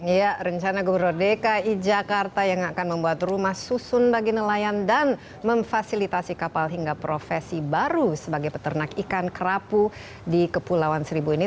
ya rencana gubernur dki jakarta yang akan membuat rumah susun bagi nelayan dan memfasilitasi kapal hingga profesi baru sebagai peternak ikan kerapu di kepulauan seribu ini